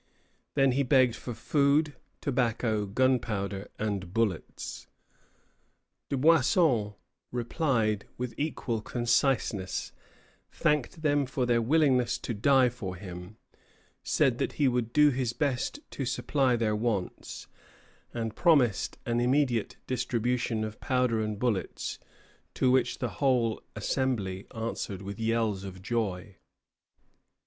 Then he begged for food, tobacco, gunpowder, and bullets. Dubuisson replied with equal conciseness, thanked them for their willingness to die for him, said that he would do his best to supply their wants, and promised an immediate distribution of powder and bullets; to which the whole assembly answered with yells of joy.